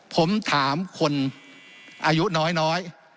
ผมถามคนอายุน้อย